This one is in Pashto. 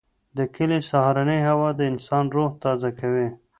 د کلي سهارنۍ هوا د انسان روح تازه کوي.